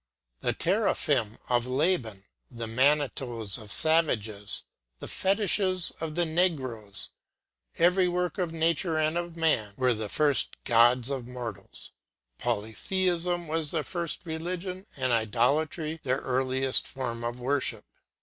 The teraphim of Laban, the manitos of savages, the fetishes of the negroes, every work of nature and of man, were the first gods of mortals; polytheism was their first religion and idolatry their earliest form of worship.